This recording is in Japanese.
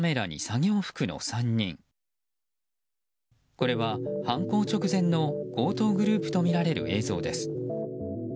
これは、犯行直前の強盗グループとみられる映像です。